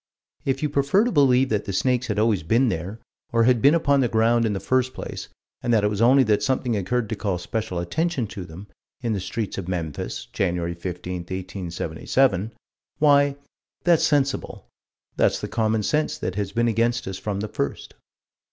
If you prefer to believe that the snakes had always been there, or had been upon the ground in the first place, and that it was only that something occurred to call special attention to them, in the streets of Memphis, Jan. 15, 1877 why, that's sensible: that's the common sense that has been against us from the first.